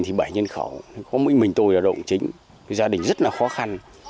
mình tôi là động chính gia đình rất là khó khăn